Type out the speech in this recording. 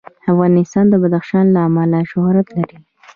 افغانستان د بدخشان له امله شهرت لري.